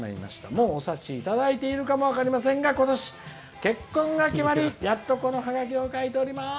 もうお察しいただいているかと思いますが今年結婚が決まりやっとこのハガキを書いております」。